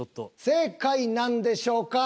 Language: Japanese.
正解なんでしょうか？